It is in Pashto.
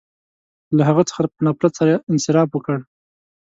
• له هغه څخه په نفرت سره انصراف وکړ.